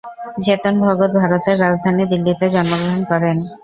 চেতন ভগত ভারতের রাজধানী দিল্লীতে জন্মগ্রহণ করেন।